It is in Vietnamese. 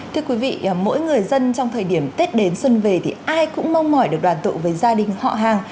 thưa quý vị mỗi người dân trong thời điểm tết đến xuân về thì ai cũng mong mỏi được đoàn tụ với gia đình họ hàng